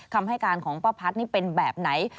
คำให้การของป้าพัดเป็นแบบไหน